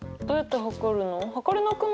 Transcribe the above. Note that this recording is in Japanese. どうやって測るの？